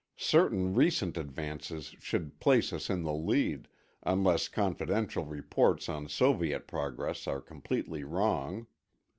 Certain recent advances should place us in the lead, unless confidential reports on Soviet progress are completely wrong.